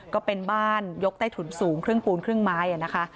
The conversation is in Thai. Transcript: ก็เป็นบ้านยกใต้ถุนสูงครึ่งปูนครึ่งไม้นะคะ